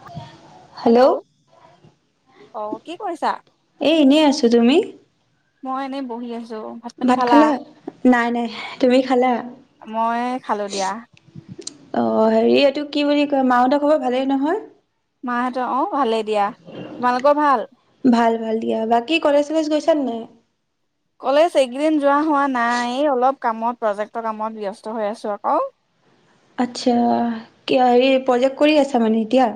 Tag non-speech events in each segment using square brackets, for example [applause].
[unintelligible] Hello অ কি কৰিছা এ এনেই আছো তুমি মই এনেই বহি আছো ভাত খালা নাই নাই তুমি খালা মই খালো দিয়া অ হেৰি এইটো কি বুলি কয় মা হতৰ খবৰ ভালেই নহয় মা হতক অ ভালেই দিয়া তোমালোকৰ ভাল ভাল ভাল দিয়া বাকী কলেজ চলেজ গৈছা নে নাই কলেজ এইকদিন যোৱা হোৱা নাই অলপ কামত আচ্ছা হেৰি প্ৰজেক্ট কৰি আছা মানে এতিয়া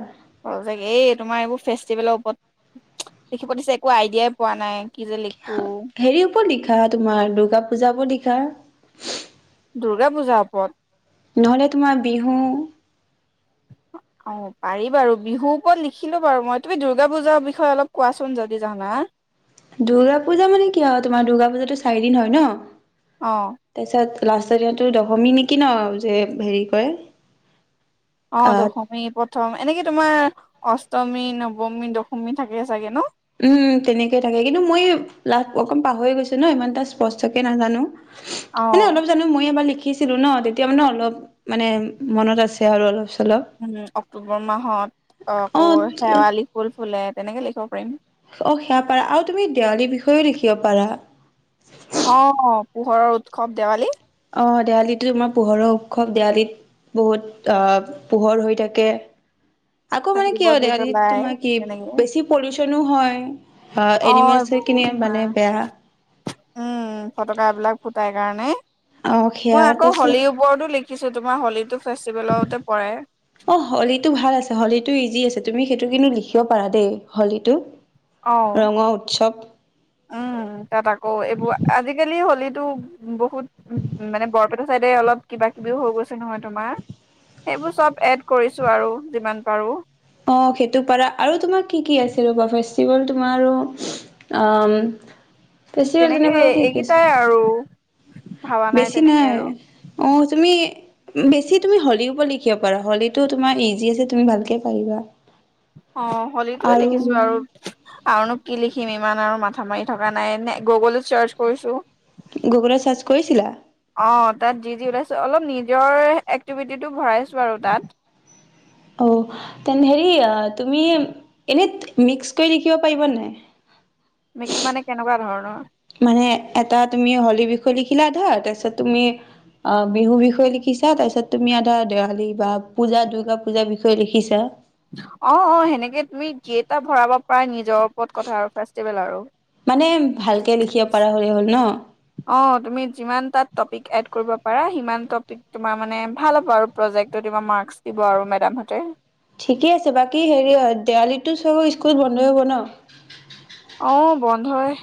প্ৰজেক্ট এই তোমাৰ এইবোৰ ফেষ্টিভেলৰ ওপৰত লিখিব দিছে একো আইডিয়াই পোৱা নাই কি যে লিখো অহ হেৰি ওপৰত লিখা তোমাৰ দুূৰ্গা পূজাবোৰ লিখা তাৰ দুূৰ্গা পূজাৰ ওপৰত নহ'লে তোমাৰ বিহু অ পাৰি বাৰু বিহুৰ ওপৰত লিখিলো বাৰু মই তুমি দুূৰ্গা পূজাৰ বিষয়ে অলপ কোৱাচোন যদি জানা দুূৰ্গা পূজা মানে কি আৰু তোমাৰ দুূৰ্গা পূজাতটো চাৰিদিন হয় ন অ তাৰপিছত লাষ্ট দিনো দশমী নেকি ন যে হেৰি কৰে অ আহ দশমী প্ৰথমে এনেকে তোমাৰ অষ্টমী নৱমী দশমী থাকে চাগে ন উম তেনেকয় থাকে কিন্তু মই লাভ অকণ পাহৰি গৈছো ন ইমান এটা স্পষ্টকে নাজানো অ মানে অলপ জানো মই এবাৰ লিখি শিকিছিলো ন তেতিয়া মানে অলপ মানে মনত আছে আৰু অলপ চলপ। উম অক্টোবৰ মাহত অ আকৌ শেৱালি ফুল ফুলে তেনেকে লিখিব পাৰিম অ সেয়া পাৰা আৰু তুমি দেৱালীৰ বিষয়েও লিখিব পাৰা অ অ পোহৰৰ উৎসৱ দেৱালী অ দেৱালী তোমাৰ পোহৰৰ উৎসৱ দেৱালীত বহুত আহ পোহৰ হৈ থাকে আকৌ মানে চাকি কি হয় বন্তি দেবালি জ্বলাই তোমাৰ কি তেনেকে বেছি পলিউচনো হয় অ এনিমেলচ এইবোৰ কিনি তোমাৰ মানে বেয়া উম ফটকা বিলাক ফুটাই কাৰণে অ সেয়া মই আকৌ তাৰপিছত হলিৰ ওপৰতো লিখি শিকিচো তোমাৰ হলীটো ফেষ্টিভেলতে পৰে অ হলীটো ভাল আছে হলীতটো ইজি আছে তুমি সেইটো কিন্তু লিখিব পাৰা দেই হলীটো অ ৰঙৰ উৎসৱ উম তাত আকৌ এইবোৰ আজিকালি হলিত তু বহুত মানে বৰপেটা চাইডে অলপ কিবা কিবিও হৈ গৈছে নহয় তোমাৰ সেইবোৰ চব এড কৰিছো আৰু যিমান পাৰো অ সেইটো পাৰা আৰু তোমাৰ কি কি আছিল ৰবা ফেষ্টিভেল তোমাৰ আৰু ফেষ্টিভেল তেনেকে তেনেকুৱা আৰু কি কি আছে এইকেইটাই আৰু ভাবা বেছি তেনেকে নাই আৰু অ তুমি বেছি তুমি হলি ওপৰত কিব পাৰ হলিটো তোমাৰ ইজি আছে তুমি ভালকে পাৰিবা অ হলীটয়ে লিখিছো আৰু আৰুনো কি লিখি ম ইমান আৰু মাথা মাৰি থকা নাই নে গুগলত চাৰ্চ কৰিছো গুগুলত চাৰ্জ কৰিছিলা? অ তাত যি যি ওলাইছো অলপ নিজৰ এক্টিভিটিটো ভৰাইছো আৰু তাত। অ' তেনে হেৰি তুমি এনেই মিক্স কৰি লিখিব পাৰিবা নাই। মিক্স মানে কেনেকুৱা ধৰণৰ। মানে এটা তুমি হলীৰ বিষয়ে লিখিলা আধা তাৰপিছত তুমি অ' বিহু বিষয়ে লিখিছা। তাৰপিছত তুমি আধা দেৱালী বা পুজা দুৰ্গা পুজাৰ বিষয়ে লিখিছা। অ' অ' সেনেকে তুমি কেইটা ভৰাব পৰা নিজে। মানে ভালকে লিখিব পৰা হ'লে হ'ল ন। অ' তুমি যিমান তাত টপিক এড কৰিব পাৰা সিমান টপিক তোমাৰ মানে ভাল হ'ব আৰু প্ৰজেক্টেৰ মাৰ্ক দিব আৰু মেডামহ'তে। ঠিকে আছে বাকী হেৰি হয় দেৱালীতো চব স্কুল বন্ধই হ'ব ন? অহ বন্ধ হয়।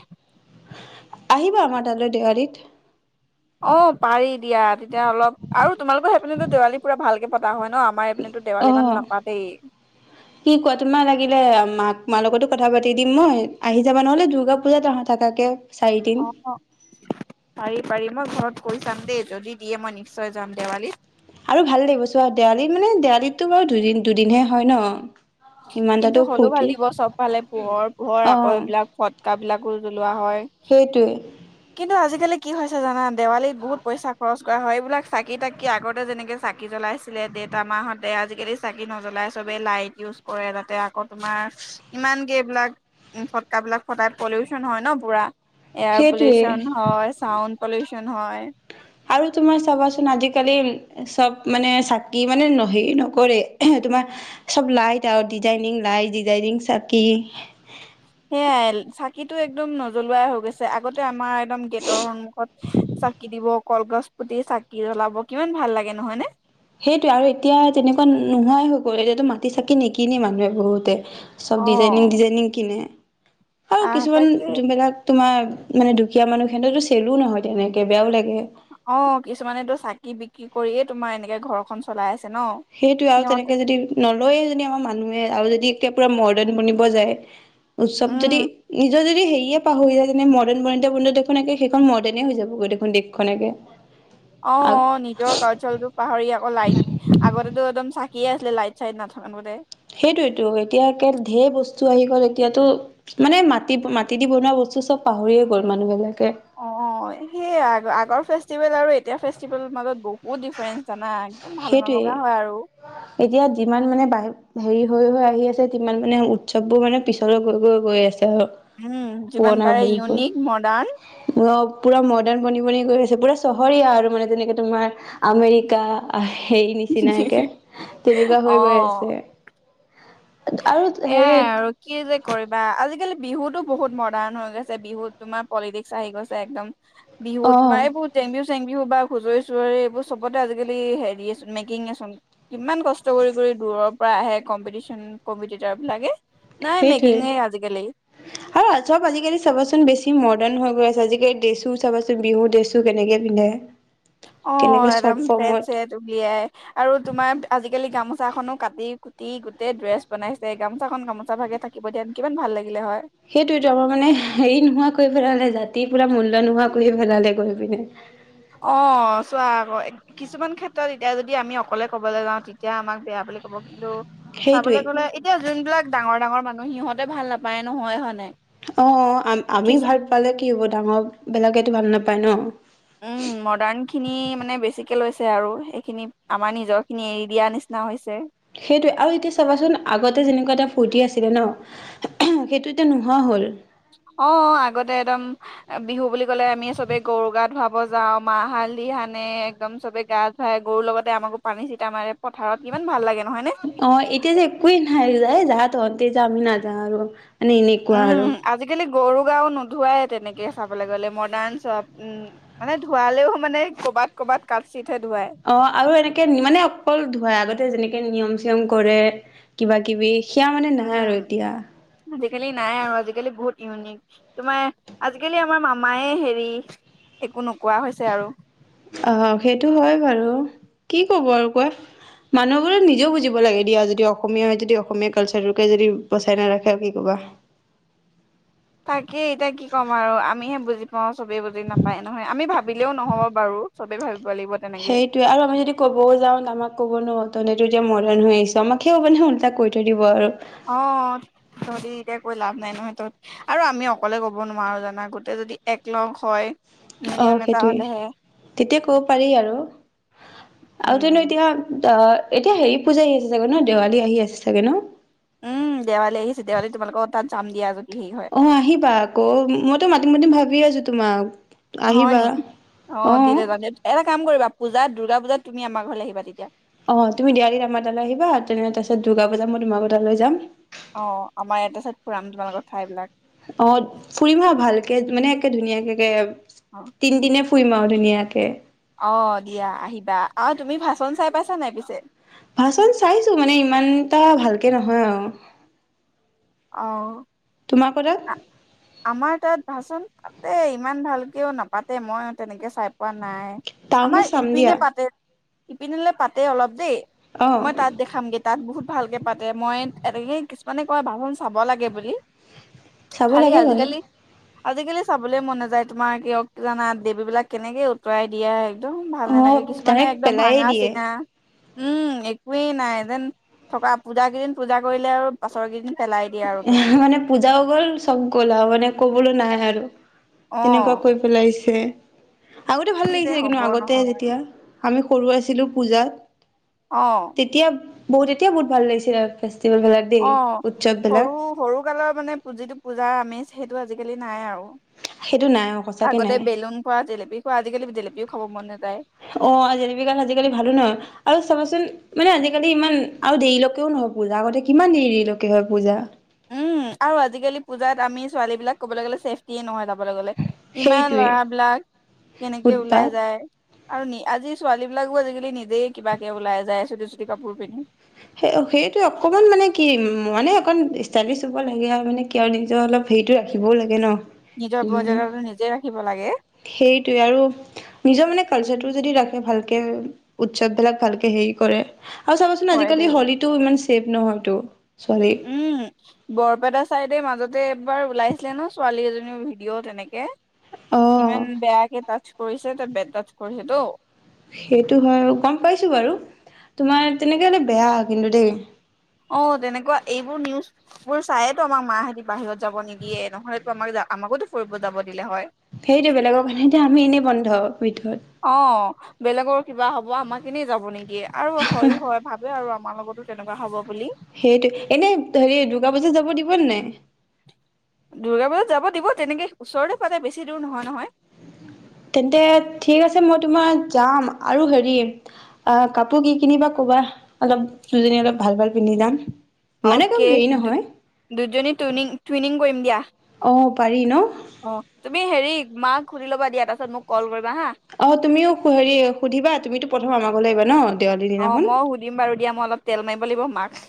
আহিবা আমাৰ তালৈ দেৱালীত। অ পাৰি দিয়া তেতিয়া অলপ আৰু তোমালোকৰ সেই পিনেো দেৱালী পুৰা ভালকে পতা হয় নাই। অ কি কোৱা, তোমাৰ লাগিলে মাক। তোমাৰ লগতো কথা পাতি দিম মই আহি যাবা নহ'লে দুৰ্গা পূজাত থাকাকে। চাৰিদিন অ পাৰি, পাৰি মই ঘৰত কৈ চাম দেই যদি। দিয়ে মই নিশ্চয় যাম দেৱালীত। আৰু ভাল লাগিব চ' আৰু দেৱালী মানে দেৱালীতো বাৰু দুদিন দুদিনহে হয় ন? ইমান কিন্তু তাতো হ'লেও ভাল ফূৰ্তি লাগিব চবফালে পোহৰ-পোহৰ। আকৌ অ', এইবিলাক ফটকা বিলাকো জ্বলোৱা হয়। সেইটোৱে, কিন্তু আজিকালি- আজিকালি কি হৈছে জানা? দেৱালীত বহুত পইচা খৰচ। হয়, এইবিলাক চাকি-তাকি আগতে যেনেকে চাকি জ্বলাইছিলে দেতা, মাহতে। আজিকালি চাকি নজ্বলাই চবেই লাইট ইউজ - কৰে তাতে আকৌ তোমাৰ ইমানকৈ এইবিলাক ফটকাবিলাক ফটাই পলিউচন হয় ন পুৰা। এয়াৰ সেইটোৱে। পলিউচন হয়, চাউণ্ড পলিউচন। কোন হয়। আৰু তোমাৰ চাবাচোন আজিকালি চব মানে চাকি মানে হেৰি নকৰে। তোমাৰ চব লাইট আৰু ডিজাইনিং লাইট, ডিজাইনিং চাকি। সেয়াই চাকিটো একদম নজ্বলোৱাই হৈ গৈছে। আগতে আমাৰ একদম গেটৰ সন্মুখত চাকি দিব। কলগছ পুতি চাকি জ্বলাব কিমান ভাল লাগে নহয়নে? সেইটোৱে আৰু এতিয়া তেনেকুৱা নোহোৱাই হৈ গ'ল। এতিয়াতো মাটিৰ চাকি নিকিনে মানুহে বহুতে। অ চব ডিজাইনিং, ডিজাইনিং কিনে। আৰু আহ কিছুমান তাকে যোনবিলাক তোমাৰ। মানে দুখীয়া মানুহেতো চেলো নহয় তেনেকে বেয়াও লাগে। অ কিছুমানেটো চাকি বিকি- কি কৰিয়ে তোমাৰ এনেকে ঘৰখন চলাই আছে। ন সেইটোয়ে আৰু সিহঁত তেনেকে যদি নলয়ে যদি আমাৰ মানুহে আৰু যদি [unintelligible] পুৰা মৰ্ডাণ বনিব যায়। সব যদি উম নিজৰ যদি হেৰিয়ে পাহৰি যায় যেনে মডাৰ্ণ বনোতে বনোতে দেখোন একে সেইখন মৰ্ডাণে হৈ যাব গৈ দেখোন দেশখন একে অ', অ', নিজৰ কালচাৰেলটো পাহৰি আকৌ লাইট, আগতেতো একদম চাকিয়ে আছিলে লাইট-চাইট নাথাকোতে। সেইটোয়েতো, এতিয়া একে ধেৰ বস্তু আহি গ'ল। এতিয়াতো মানে মাটি, মাটি দি বনোৱা বস্তু চব পাহৰিয়ে গ'ল মানুহবিলাক। অ', অ', সেইয়া আগৰ ফেচ ফেষ্টিভেল আৰু এতিয়াৰ ফেষ্টিভেল মাজত বহু বহুত ডিফাৰেঞ্চ জানা? একদম ভাল সেইটোৱেই নলগা হয় আৰু এতিয়া যিমান মানে বাহি হেৰি হৈ হৈ আহি আছে, তিমান মানে উৎসৱবোৰ মানে পিছলৈ গৈ গৈ গৈ আছে। আৰু উম, যিমান পুৰণা পাৰে ভাবিবোৰ ইউনিক মডাৰ্ণ অ পুৰা মডাৰ্ণ বনি বনি গৈ আছে, পুৰা চহৰীয়া আৰু মানে যেনেকে তোমাৰ আমেৰিকা হেৰি নিচিনাকে, তেনেকুৱা হৈ গৈ অ আছে। আৰু এয়াই হেৰিত আৰু কি যে কৰিবা, আজিকালি বিহুতো বহুত মডাৰ্ণ হৈ গৈছে। বিহুত তোমাৰ পলিটিক্স আহি গৈছে একদম অ বিহুত তোমাৰ এইবোৰ জেং বিহু চেং বিহু বা হুচৰি-চোচৰি এইবোৰ চবতে আজিকালি হেৰিয়েচোন মেকিঙেচোন। কিমান কষ্ট কৰি কৰি দূৰৰ পৰা আহে কম্পিটিচন কম্পিটিটাৰ বিলাকে নাই সেইটোৱে, মেকিঙে আজিকালি আৰু চব আজিকালি চাবাচোন বেছি মডাৰ্ণ হৈ গৈ আছে আজিকালি ড্ৰেছো চাবাচোন বিহু ড্ৰেছো কেনেকে পিন্ধে অ', কেনেকে চৰ্ট এদম ফৰ্মত পেট-চেট উলিয়াই আৰু তোমাৰ আজিকালি গামোচাখনো কাটি কো টি গোটেই ড্ৰেছ বনাইছে। গামোচাখন গামোচা ভাগে থাকিব দিয়াহেতেন কিমান ভাল লাগিলে হয়! সেইটোয়েতো আমাৰ মানে হেৰি নোহোৱা কৰি পেলালে জাতিৰ পুৰা মূল্য নোহোৱা কৰি পেলালে গৈ পিনে অ', চোৱা আক' কিছুমান ক্ষেত্ৰত এতিয়া যদি আমি অকলে ক'বলে যাওঁ তেতিয়া আমাক বেয়া বুলি ক'ব। [unintelligible] সেইটোৱে চাবলৈ গ'লে এতিয়া যোনবিলাক ডাঙৰ ডাঙৰ মানুহ, সিহঁতে ভাল নাপায় নহয় হয় নাই? অ', আমি কিছু ভাল পালে কি হব? ডাঙৰ বিলাকেতো ভাল নাপ নাপাই ন? উম মডাৰ্ণখিনি মানে বেছিকে লৈছে আৰু সেইখিনি, আমাৰ নিজৰখিনি এৰি দিয়া নিচিনা হৈছে। সেইটোৱে, আৰু এতিয়া চাবাচোন আগতে যেনেকুৱা এটা ফূৰ্তি আছিলে ন সেইটো এতিয়া নোহোৱা হ'ল। অ', আগতে এদম বিহু বুলি ক'লে আমি চবে গৰু গা ধুৱাব যাওঁ। মাহ-হালধি সানে, একদম চবে গা ধুৱাই গৰুৰ লগতে আমাকো পানী চিটা মাৰে পথাৰত, কিমান ভাল লাগে। নহয় নে অ', এতিয়া যে একোৱেই নাই। [unintelligible] তহঁতে যা, আমি নাযাওঁ আৰু। মানে এনেকুৱা উম আৰু আজিকালি গৰু গাও নোধুৱাই তেনেকে চাবলৈ গ'লে মডাৰ্ন চব উম মানে ধুৱালেও মানে ক'বাত ক'বাত কাচ অ আৰু এনেকে মানে অকল ধুৱাই আগতে যেনেকে নিয়ম চিয়ম কৰে কিবা কিবি সেয়া মানে নাই উম আৰু এতিয়া আজিকালি নাই আৰু আজিকালি বহুত ইউনিক তোমাৰ আজিকালি আমাৰ মামাইয়ে হেৰি একো নোকোৱা হৈছে আৰু আহ সেইটো হয় বাৰু কি কব আৰু কোৱা আহ আহ সেইটো হয় বাৰু কি কব কোৱা মানুহবোৰে নিজেও বুজিব লাগে দিয়া যদি অসমীয়া হয় যদি অসমীয়া কালচাৰটোকে যদি বচাই নাৰাখে আৰু কি ক'বা তাকেই এতিয়া কি ক'ম আৰু আমিহে বুজি পাও চবেই বুজি নাপায় নহয় আমি ভাবিলেও নহব বাৰু চবেই ভাবি সেইটোয়ে আৰু আমি যদি ক'বও যাও আমাক ক'ব নহ তহতেটো এতিয়া মডাণ হৈ আহিছা আমাকে কব নহ উল্টা টো থৈ দিব আৰু অ তহঁতি এতিয়া কৈ লাভ নাই নহয় তহঁত আৰু আমি অকলে ক'ব নোৱাৰো জানা গোটেই যদি এককলগ হয় অ ইউনিয়ন এটা সেইটোৱে হলেহে তেতিয়া ক'ব পাৰি আৰু আৰু জানো উম এতিয়া অ এতিয়া হেৰি পূজা আহি আছে চাগে ন দেৱালী আহি আছে চাগে ন উম দেৱালী আহিছে দেৱালী তোমালোকৰ তাত যাম দিয়া হেৰি হয়, অ আহিবা আকৌ মইতো মাতিম মাতিম ভাবি আছো তোমাক হয় আহিবা নেকি অ দিলে জানে এটা কাম কৰিবা পূজাত দুৰ্গা পূজাত তুমি আমাৰ ঘৰলৈ আহিবা তেতিয়া অ তুমি দেৱালি আমাৰ তালৈ আহিবা তেনে হলে তাৰ পাছত দুৰ্গা বজাম মই তোমাৰ লোকৰ তালৈ যাম অ আমাৰ এটা চাইড ফুৰাম তোমালোকৰ ঠাই বিলাক অ ফুৰিম আৰু ভালকে মানে একে ধুনীয়াকে অ', ধুনীয়াকে তিনিদিনে ফু ফুৰিম আৰু ধুনীয়াকৈ অ দিয়া আহিবা অ তুমি ভাচন চাই পাইছা নাই পিছে ভাচন চাইছো মানে ইমান এটা ভালকে নহয় আৰু অঁ তোমাকৰ তাত আমাৰ তাত ভাচন পাতে ইমান ভালকেও নাপাতে মই তেনেকে চাই পোৱা নাই টাউনত চাম দিয়া ইপিনিলে পাতে অলপ দেই অ মই তাত দেখামগে তাত বহুত ভালকে পাতে মই এনেকে কিছুমানে কয় ভাচন চাব লাগে বুলি চাব খালি লাগে বাৰু আজিকালি আজিকালি চাবলৈ মন নাযায় তোমাৰ কিয় জানা দেৱী বিলাক কেনেকে উতুৱাই দিয়া একদম ভাল অ নালাগে কিছুমানে ডাইৰেক্ট একদম পেলাইয়ে ভাঙা দিয়ে চিঙা উম একোৱেই নাই যেন থকা পূজা কেইদিন পূজা কৰিলে আৰু পাছৰ কেইদিন পেলাই দিয়ে আৰু তেনেকে মানে পূজাও গ'ল চব গ'ল আৰু মানে কবলৈ নাই আৰু অ তেনেকুৱা কৈ পেলাইছে আগতে ভাল কি যে লাগিছে হব কিন্তু আগতে নহয় যেতিয়া আমি সৰু আছিলোঁ পূজাত অহ তেতিয়া বহুত এতিয়া বহুত ভাল লাগিছিলে ফেষ্টিবেল বিলাক দেই অ বিলাক সৰু সৰু কালৰ মানে যিটো পূজা আমি সেইটো আজিকালি নাই আৰু সেইটো নাই অ সচাকে আগতে নাই বেলুন খোৱা জেলেপি খোৱা আজিকালি জেলেপিও খাব মন নাযায় অহ জেপিগাল আজিকালি ভালো নহয় আৰু চাবাচোন মানে আজিকালি ইমান আৰু দেৰিলৈকেও নহয় পূজা আগতে কিমান দেৰিলৈকে হয় পূজা উম আৰু আজিকালি পূজাত আমি ছোৱালী বিলাক ক'বলৈ গ'লে চছেফটিয়ে নহয় চাবলৈ গলে ইমান সেইটোৱে লৰাবিলাক কেনেকে ওলাই উৎপাত যায় আৰু আজি ছোৱালী বিলাকো আজিকালি নিজেই কিবাকে ওলাই যায় চুটি চুটি কাপোৰ পিন্ধি সে সেইটো অকণমান মানে কি মানে অকণ ষ্টাইলিছ হব লাগে আৰু মানে কিয় আৰু নিজৰ অলপ হেৰিটো ৰাখিবও লাগে ন নিজৰ মৰ্যদাটো নিজে ৰাখিব লাগে সেইটোয়ে আৰু নিজৰ মানে কালচাৰটো যদি ৰাখে ভালকে উৎসৱ বিলাক ভালকে হেৰি কৰে আৰু চাবচোন আজি হয় কালি দেই হলীটো ইমান চেভ নহয়টো উম বৰপেটা চাইডে মাজত এবাৰ ওলাইছিলে ন ছোৱালী এজনীৰ ভিডিঅ' তেনেকে অ ইমান বেয়াকে টাচ কৰিছে তাক তাছ কৰিছে তো সেইটো হয় গম পাইছো বাৰু তোমাৰ তেনেকে হলে বেয়া কিন্তু দেই অ তেনেকুৱা এইবোৰ নিউজ বোৰ চায়েতো আমাক মা হতি বাহিৰত যাব নিদিয়ে নহলেতো আমাক আমাকোতো ফুৰিব যাব দিলে হয় সেইটো বেলেগৰ কাৰণে এতিয়া আমি এনেই বন্ধ ভিতৰত অ বেলেগৰ কিবা হ'ব আমাৰ এনেই যাব নিদিয়ে আৰু হয়ো হয় ভাবে আৰু আমাৰ লগতো তেনেকুৱা হব বুলি সেইটো এনে হেৰি দুৰ্গা পূজা যাব দিব নে নাই দুূৰ্গা পূজাত যাব দিব তেনেকে ওচৰতে পাতে বেছি দূৰ নহয় নহয় তেন্তে ঠিক আছে মই তোমাৰ যাম আৰু হেৰি কাপোৰ কি কিনিবা ক'বা অলপ দুজনী অলপ ভাল ভাল পিন্ধি য়াম আৰু দু দুজনী টুই টুইনিং কৰিম দিয়া আহ পাৰি ন অ তুমি হেৰি মাক সুধি লব দিয়া তাপিছত মোক কল কৰিব অ তুমিও হেৰি সুধিবা তুমিতটো প্ৰথম আমাক গলেগৈ ন দেৱালীৰ অ দিনাখন মই সুধিম বাৰু দিয়া মই অলপ তেল মাৰি লাগিব মাক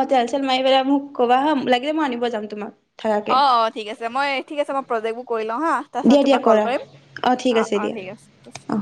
অ তেল চেল মাৰিবেলা মোক কবা হা লাগিলে মই আনিব যাম তোমাক থাকাকে অ অ ঠিক আছে মই ঠিক আছে মই প্ৰজেক্ট ব কৰি লওঁ হা তাৰপিছত দিয়া দিয়া তোমাক কল কৰা কৰিম অঁ ঠিক অ আছে অ দিয়া ঠিক আছে অঁ